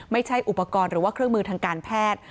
ไม่ใช่อุปกรณ์หรือว่าเครื่องมือทางการแพทย์